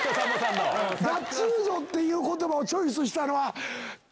ガットゥーゾっていう言葉をチョイスしたのは。